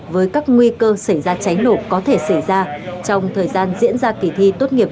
với các nguy cơ xảy ra cháy nổ có thể xảy ra trong thời gian diễn ra kỳ thi tốt nghiệp